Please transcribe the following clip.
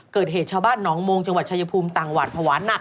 เกิดเหตุชาวบ้านหนองมงจังหวัดชายภูมิต่างหวาดภาวะหนัก